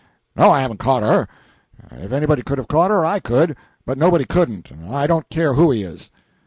"No; I haven't caught her. If anybody could have caught her, I could; but nobody couldn't, I don't care who he is."